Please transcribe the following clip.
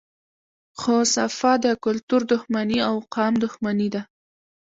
خو صفا د کلتور دښمني او قام دښمني ده